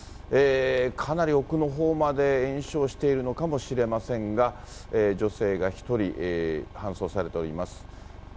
かなり奥のほうまで延焼しているのかもしれませんが、女性が１人搬送されております。